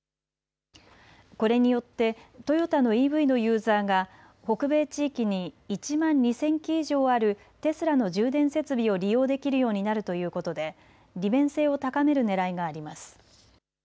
これによってトヨタのＥＶのユーザーが北米地域に１万２０００基以上あるテスラの充電設備を利用できるようになるということで利便性を高めるねらいがあります。